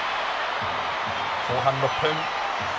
後半６分。